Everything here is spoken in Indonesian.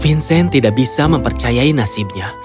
vincent tidak bisa mempercayai nasibnya